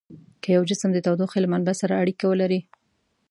که یو جسم د تودوخې له منبع سره اړیکه ولري.